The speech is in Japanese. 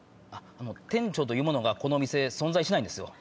店長というものがこのお店存在しないんですよ。